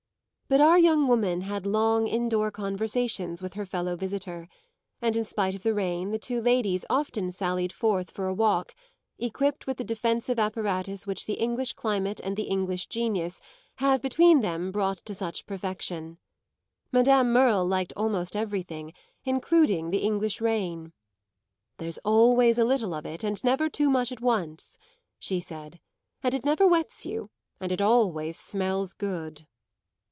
But our young woman had long indoor conversations with her fellow visitor, and in spite of the rain the two ladies often sallied forth for a walk, equipped with the defensive apparatus which the English climate and the English genius have between them brought to such perfection. Madame Merle liked almost everything, including the English rain. "There's always a little of it and never too much at once," she said; "and it never wets you and it always smells good."